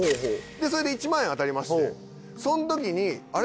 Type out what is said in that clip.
それで１万円当たりましてそんときにあれ？